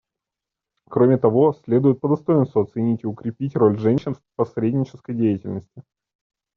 Кроме того, следует по достоинству оценить и укрепить роль женщин в посреднической деятельности.